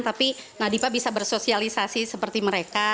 tapi nadipa bisa bersosialisasi seperti mereka